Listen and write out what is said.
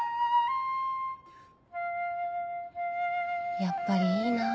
やっぱりいいなぁ